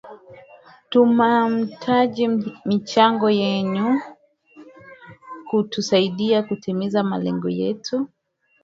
Tumahtaji michango yenu kutusaidia kutimiza malengo yetu